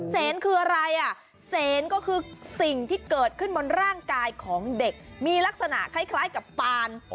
เซนคืออะไรอ่ะเสนก็คือสิ่งที่เกิดขึ้นบนร่างกายของเด็กมีลักษณะคล้ายกับตาน